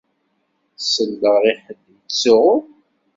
Selleɣ i ḥedd i yettsuɣun.